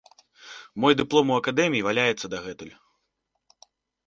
Мой дыплом у акадэміі валяецца дагэтуль.